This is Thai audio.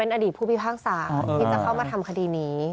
อดีตผู้พิพากษาที่จะเข้ามาทำคดีนี้